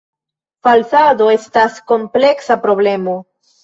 Falsado estas kompleksa problemo.